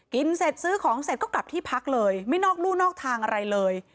กินเสร็จซื้อของเสร็จก็กลับที่พักเลยไม่นอกลู่นอกทางอะไรเลย